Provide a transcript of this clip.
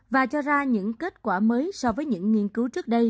và cho ra những kết quả mới so với những nghiên cứu trước đây